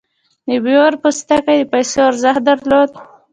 د بیور پوستکی د پیسو ارزښت درلود.